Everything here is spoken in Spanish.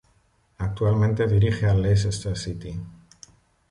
Actualmente dirige al Leicester City.